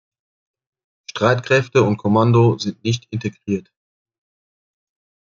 Streitkräfte und Kommando sind nicht integriert.